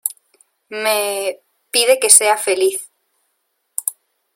me... pide que sea feliz .